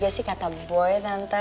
bener juga sih kata boy tante